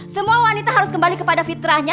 semua wanita harus kembali kepada fitrahnya